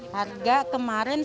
harga kemarin saya